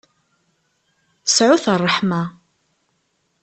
Sɛut ṛṛeḥma.